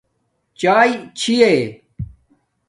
چایݵے چھی یے